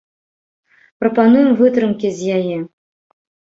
Прапануем вытрымкі з яе.